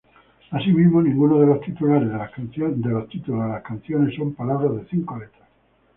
Asimismo, ningunos de los títulos de las canciones son palabras de cinco letras.